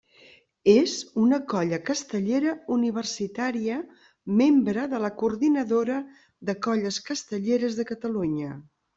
És una colla castellera universitària membre de la Coordinadora de Colles Castelleres de Catalunya.